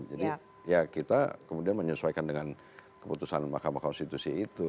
jadi ya kita kemudian menyesuaikan dengan keputusan mahkamah konstitusi itu